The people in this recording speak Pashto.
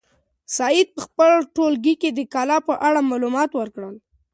سعید په خپل ټولګي کې د کلا په اړه معلومات ورکړل.